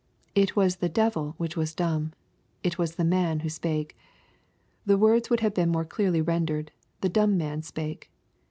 — It was the devil which was dumb. It was the man who spake. — The words would have been more clearly ren dered, " The dumb man spake."